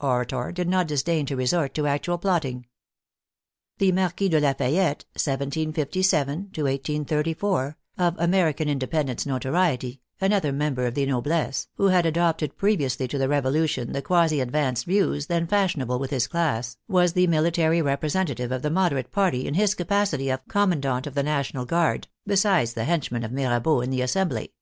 orator did not disdain to resort to actual plotting. The Marquis de Lafayette (1757 1834), of American Independence notoriety, another member of the noblesse, who had adopted previously to the Revolution the quasi advanced views then fashionable with his class, was the military representative of the Moderate party in his ca pacity of commandant of the National Guard, besides the henchman of Mirabeau in the Assembly.